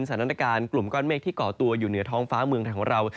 สถานการณ์กลุ่มก้อนเมฆที่เกาะตัวอยู่เหนือท้องฟ้าเมืองไทยของเรา